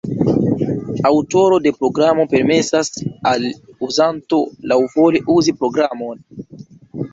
Aŭtoro de programo permesas al uzanto laŭvole uzi programon.